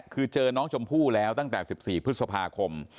คือเจอน้องชมพู่แล้วตั้งแต่๑๔พฤษภาคม